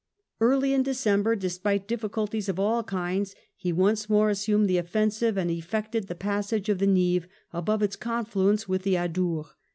Early in December, despite difficulties of all kinds, he once more assumed the offensive and effected the passage of the Nive above its confluence with the Adour.